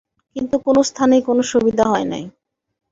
কিন্তু কোনো স্থানেই কোনো সুবিধা হয় নাই।